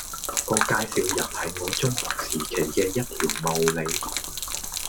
個介紹人係我中學時期嘅一條茂利